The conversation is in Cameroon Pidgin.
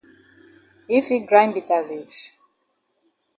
Yi fit grind bitter leaf?